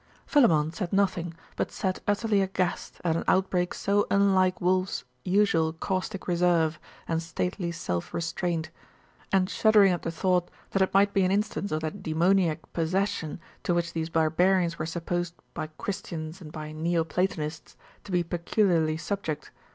Philammon said nothing, but sat utterly aghast at an outbreak so unlike Wulf's usual caustic reserve and stately self restraint, and shuddering at the thought that it might be an instance of that daemoniac possession to which these barbarians were supposed by Christians and by Neo Platonists to be peculiarly subject.